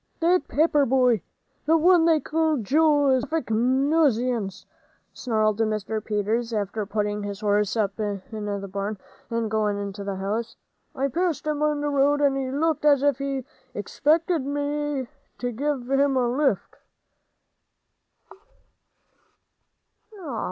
"That Pepper boy th' one they call Joel is a perfect nuisance," snarled Mr. Peters, after putting his horse up in the barn, and going into the house. "I passed him on the road, and he looked as if he 'xpected me to give him a lift."